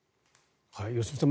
良純さん